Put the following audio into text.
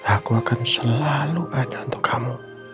aku akan selalu ada untuk kamu